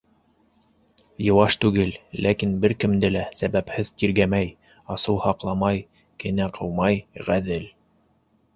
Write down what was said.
Йыуаш түгел, ләкин бер кемде лә сәбәпһеҙ тиргәмәй, асыу һаҡламай, кенә ҡыумай, ғәҙел.